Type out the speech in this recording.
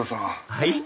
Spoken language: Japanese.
はい？